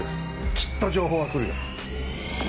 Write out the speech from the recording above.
きっと情報は来るよ。